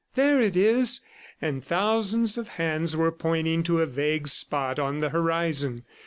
... There it is!" And thousands of hands were pointing to a vague spot on the horizon.